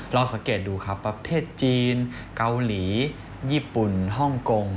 เราสังเกตดูครับประเทศจีนเกาหลีญี่ปุ่นฮ่องกง